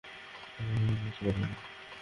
ও এখন কিছুই করতে পারবে না।